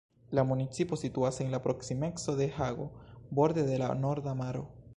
La municipo situas en la proksimeco de Hago, borde de la Norda Maro.